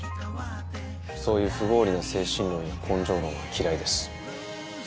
そういう不合理な精神論や根性論は嫌いです